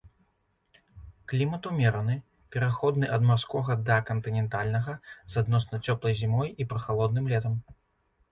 Клімат умераны, пераходны ад марскога да кантынентальнага, з адносна цёплай зімой і прахалодным летам.